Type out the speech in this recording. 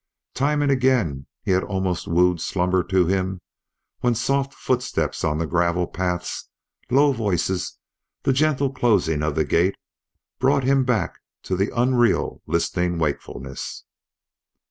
Time and again he had almost wooed slumber to him when soft footsteps on the gravel paths, low voices, the gentle closing of the gate, brought him back to the unreal listening wakefulness.